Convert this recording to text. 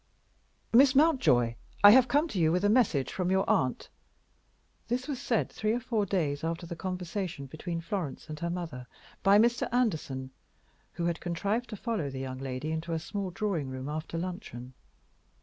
"Miss Mountjoy, I have come to you with a message from your aunt." This was said, three or four days after the conversation between Florence and her mother, by Mr. Anderson, who had contrived to follow the young lady into a small drawing room after luncheon.